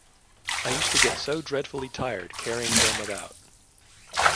I used to get so dreadfully tired carrying them about.